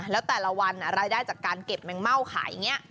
แล้วแต่ละวันรายได้จากการเก็บแมงเม่าขายอย่างนี้